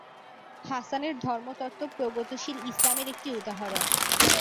হাসানের ধর্মতত্ত্ব প্রগতিশীল ইসলামের একটি উদাহরণ।